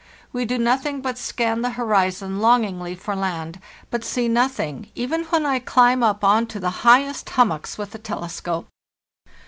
We do nothing but scan the horizon longingly for land, but see nothing, even when I climb up on to the highest hummocks with the telescope.